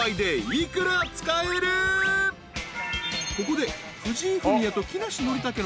［ここで］